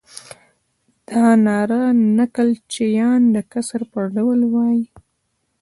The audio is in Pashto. دا ناره نکل چیان د کسر پر ډول وایي.